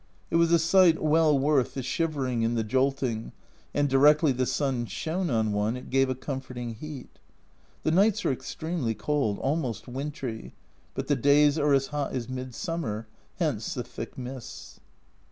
It was a sight well worth the shivering and the jolting, and directly the sun shone on one it gave a comforting heat. The nights are extremely cold, almost wintry, but the days are as hot as midsummer, hence the thick mists.